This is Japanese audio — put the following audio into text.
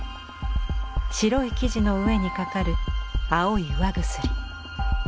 白い生地の上にかかる青い釉薬。